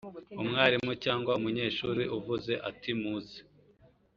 umwarimu cyangwa umunyeshuri uvuze ati muze